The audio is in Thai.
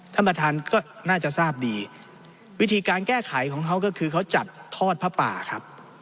ท่านประธานก็น่าจะทราบดีวิธีการแก้ไขของเขาก็คือเขาจัดทอดผ้าป่าครับ